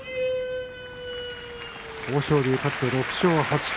豊昇龍勝って６勝８敗。